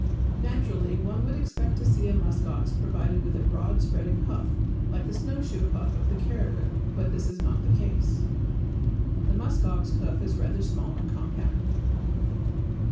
Naturally one would expect to see a musk ox provided with a broad, spreading hoof, like the snow shoe hoof of the caribou; but this is not the case. The musk ox hoof is rather small and compact.